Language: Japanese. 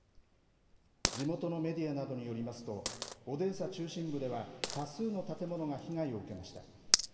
地元のメディアなどによりますと、オデーサ中心部では、多数の建物が被害を受けました。